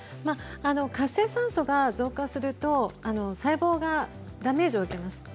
活性酸素が増加すると細胞がダメージを受けます